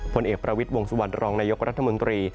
ผลเอกประวิทย์วงสุวรรณรองนายกรัฐมนตรี